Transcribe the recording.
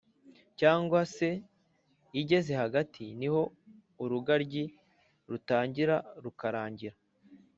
cyangwa se igeze hagati, ni ho urugaryi rutangira rukarangira